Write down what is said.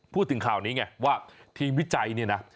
พูดถึงข่าวนี้ไงว่าทีมวิจัยเนี่ยนะ